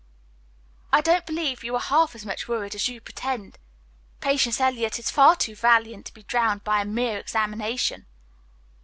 "I don't believe you are half as much worried as you pretend. Patience Eliot is far too valiant to be downed by a mere examination."